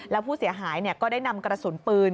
แล้วผู้เสียหายก็ได้นำกระสุนปืน